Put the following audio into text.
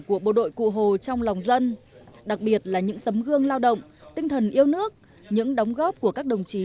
của bộ đội cụ hồ trong lòng dân đặc biệt là những tấm gương lao động tinh thần yêu nước những đóng góp của các đồng chí